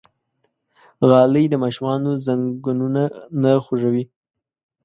غالۍ د ماشومانو زنګونونه نه خوږوي.